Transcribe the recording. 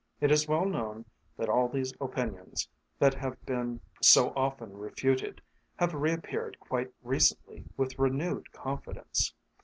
It is well known that all these opinions, that have been so often refuted, have reappeared quite recently with renewed confidence.